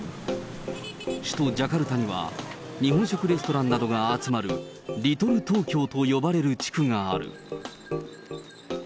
首都ジャカルタには、日本食レストランなどが集まる、リトル東京と呼ばれる地区がある。